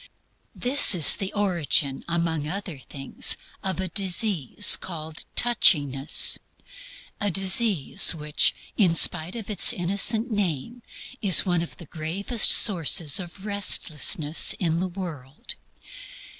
This is the origin, among other things, of a disease called "touchiness" a disease which, in spite of its innocent name, is one of the gravest sources of restlessness in the world.